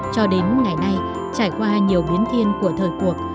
cho đến ngày nay trải qua nhiều biến thiên của thời cuộc